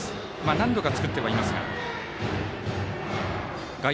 何度か作ってはいますが。